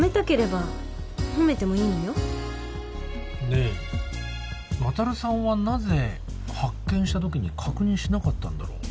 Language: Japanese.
ねえ渉さんはなぜ発見したときに確認しなかったんだろう？